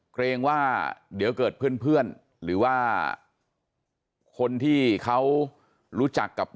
เกรงว่าเดี๋ยวเกิดเพื่อนหรือว่าคนที่เขารู้จักกับ